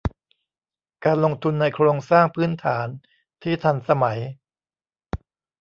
การลงทุนในโครงสร้างพื้นฐานที่ทันสมัย